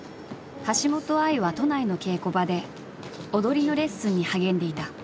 橋本愛は都内の稽古場で踊りのレッスンに励んでいた。